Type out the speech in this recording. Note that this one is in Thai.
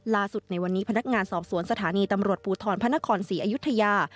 ในวันนี้พนักงานสอบสวนสถานีตำรวจภูทรพระนครศรีอยุธยา